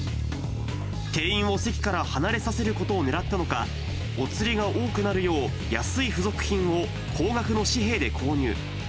店員を席から離れさせることをねらったのか、お釣りが多くなるよう、安い付属品を高額の紙幣で購入。